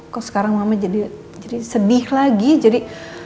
kok sekarang mama jadi sedih lagi jadi